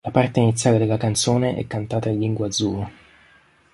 La parte iniziale della canzone è cantata in lingua zulu.